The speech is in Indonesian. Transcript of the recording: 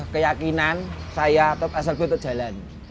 keyakinan saya slb itu jalan